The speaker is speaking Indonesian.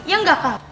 iya enggak kak